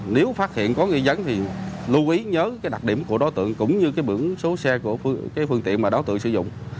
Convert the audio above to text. nếu phát hiện có nghi dấn thì lưu ý nhớ cái đặc điểm của đối tượng cũng như cái biển số xe của cái phương tiện mà đối tượng sử dụng